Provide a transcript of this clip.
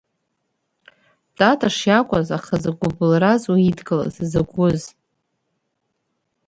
Тата шиакәыз, аха закә гәыбылраз уи идкылаз, закә гәыз…